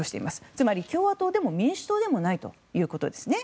つまり共和党でも民主党でもないということですね。